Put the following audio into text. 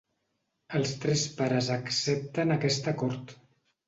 Els tres pares accepten aquest acord.